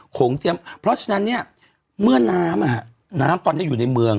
โงเตรียมเพราะฉะนั้นเนี่ยเมื่อน้ำน้ำตอนนี้อยู่ในเมือง